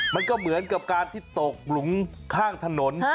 มันก็เหมือนกับการที่ตกหลุมข้างถนน